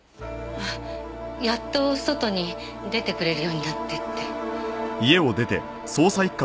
やっと外に出てくれるようになってって。